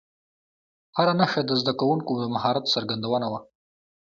هره نښه د زده کوونکو د مهارت څرګندونه وه.